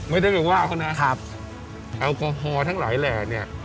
ไม่ได้ว่าเขานะแอลกอฮอล์ทั้งหลายแหล่ง